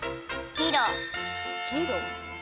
ギロ？